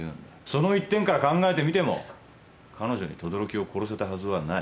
その一点から考えてみても彼女に等々力を殺せたはずはない。